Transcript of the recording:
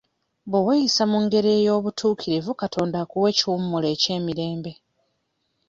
Bwe weeyisa mu ngeri ey'obutuukirivu Katonda akuwa ekiwummulo eky'emirembe.